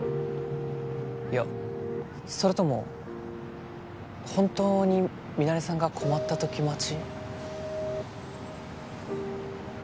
いやそれとも本当にミナレさんが困った時待ち？